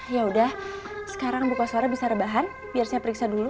yaudah sekarang bu koswara bisa rebahan biar saya periksa dulu